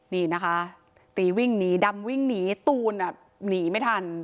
นี่นะคะตีวิ่งหนีดำวิ่งหนีตูนหนีไม่ทัน